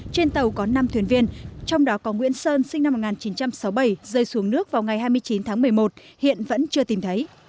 trên tàu có năm thuyền viên trong đó có nguyễn sơn sinh năm một nghìn chín trăm sáu mươi bảy rơi xuống nước vào ngày hai mươi chín tháng một mươi một hiện vẫn chưa tìm thấy